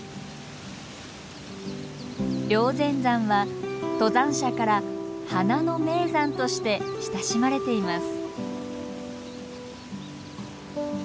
霊仙山は登山者から「花の名山」として親しまれています。